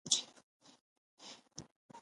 د ژوندانه د کچې د لوړتیا ضمانت کوي.